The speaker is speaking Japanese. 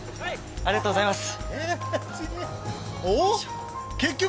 ありがとうございます。